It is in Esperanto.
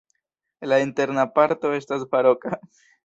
La interna parto estas baroka.